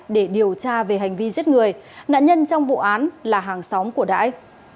để điều tra về hành vi giết người nạn nhân trong vụ án là hàng xóm của đãi